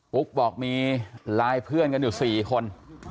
ปุ๊กบอกมีไลน์เพื่อนกันอยู่๔คน